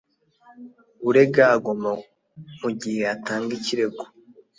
urega agomba mu gihe atanga ikirego